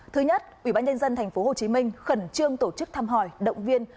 thứ nhất ủy ban nhân dân tp hcm khẩn trương tổ chức thăm hỏi động viên